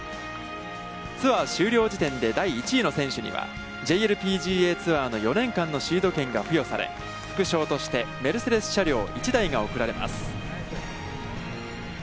ツアー終了時点で第１位の選手には、ＪＬＰＧＡツアーの４年間のシード権が付与され、副賞としてメルセデス車両１台が贈られます。